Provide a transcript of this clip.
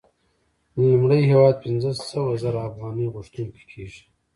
نو لومړی هېواد پنځه سوه زره افغانۍ غوښتونکی کېږي